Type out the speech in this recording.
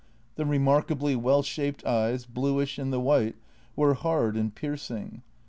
The remarkably well shaped eyes, bluish in the white, were hard and piercing.